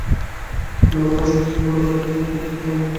গানের মাধ্যমে শক্তিশালী কোনো বার্তা কিংবা ক্ষুব্ধ গর্জনও শোনাতে চাই আমি।